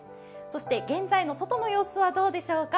そして現在の外の様子はどうでしょうか。